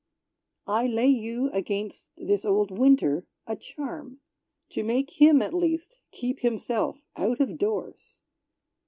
I lay you, against this old Winter, a charm. To make him, at least, keep himself out of doors!